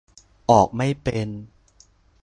ออกไม่เป็น